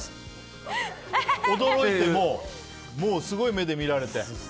驚いて、もうすごい目で見られて。